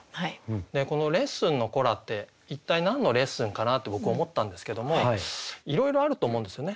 この「レッスンの子ら」って一体何のレッスンかな？って僕思ったんですけどもいろいろあると思うんですよね。